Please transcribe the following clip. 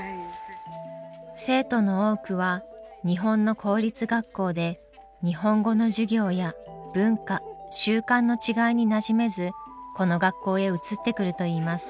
生徒の多くは日本の公立学校で日本語の授業や文化習慣の違いになじめずこの学校へ移ってくるといいます。